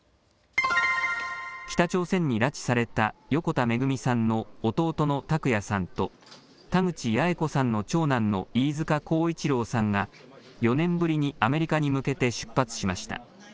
北朝鮮に拉致された横田めぐみさんの弟の拓也さんと田口八重子さんの長男の飯塚耕一郎さんが４年ぶりにアメリカに向けて出発しました。